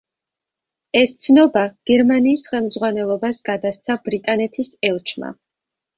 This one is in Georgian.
ეს ცნობა გერმანიის ხელმძღვანელობას გადასცა ბრიტანეთის ელჩმა.